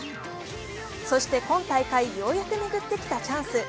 そして今大会、ようやく巡ってきたチャンス。